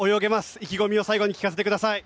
意気込みを最後に聞かせてください。